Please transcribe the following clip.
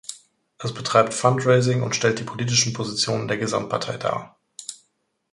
Es betreibt Fundraising und stellt die politischen Positionen der Gesamtpartei dar.